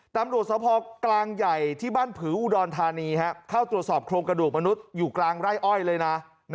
ตำรวจสภกลางใหญ่ที่บ้านผืออุดรธานีเข้าตรวจสอบโครงกระดูกมนุษย์อยู่กลางไร่อ้อยเลยนะ